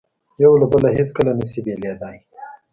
یو له بله هیڅکله نه شي بېلېدای.